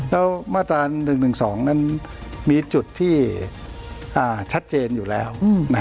แล้วมาตรา๑๑๒นั้นมีจุดที่ชัดเจนอยู่แล้ว